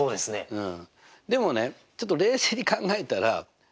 うん。